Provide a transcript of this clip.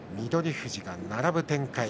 富士が並ぶ展開。